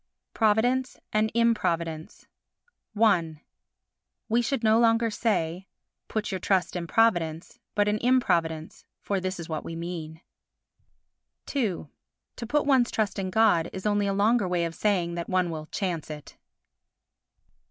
Providence and Improvidence i We should no longer say: Put your trust in Providence, but in Improvidence, for this is what we mean. ii To put one's trust in God is only a longer way of saying that one will chance it.